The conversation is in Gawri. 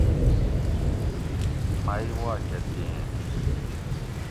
مئ واکہ دینش